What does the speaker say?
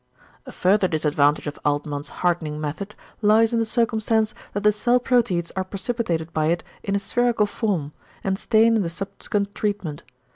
A further disadvantage of Altmann's hardening method lies in the circumstance, that the cell proteids are precipitated by it in a spherical form, and stain in the subsequent treatment.